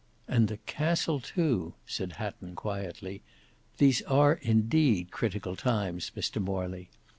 "And the castle too," said Hatton quietly. "These are indeed critical times Mr Morley.